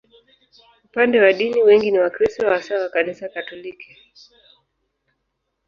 Upande wa dini, wengi ni Wakristo, hasa wa Kanisa Katoliki.